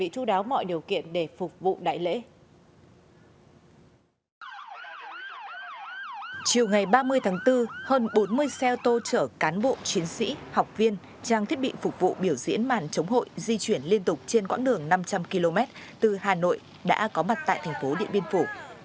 chiều ngày ba mươi tháng bốn hơn bốn mươi xe ô tô chở cán bộ chiến sĩ học viên trang thiết bị phục vụ biểu diễn màn chống hội di chuyển liên tục trên quãng đường năm trăm linh km từ hà nội đã có mặt tại thành phố điện biên phủ